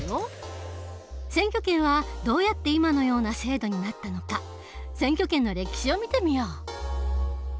選挙権はどうやって今のような制度になったのか選挙権の歴史を見てみよう。